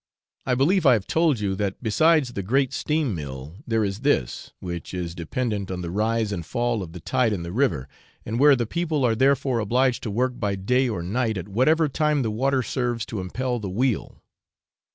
I believe I have told you that besides the great steam mill there is this, which is dependent on the rise and fall of the tide in the river, and where the people are therefore obliged to work by day or night at whatever time the water serves to impel the wheel.